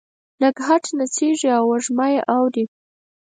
نګهت نڅیږې او وږمه یې اوري